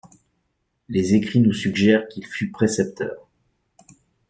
Les écrits nous suggèrent qu'il fut précepteur.